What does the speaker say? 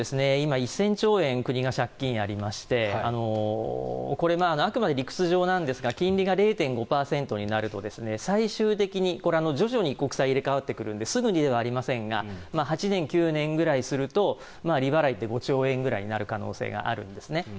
１０００兆円国が借金がありましてこれはあくまで理屈上なんですが金利が０．５％になると最終的に徐々に国債が入れ替わってくるのですぐにではありませんが８年、９年ぐらいすると利払いって５兆円ぐらいになる可能性があるんですね。